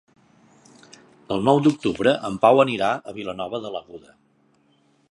El nou d'octubre en Pau anirà a Vilanova de l'Aguda.